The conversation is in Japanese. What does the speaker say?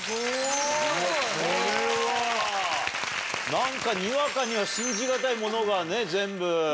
なんかにわかには信じがたいものがね全部。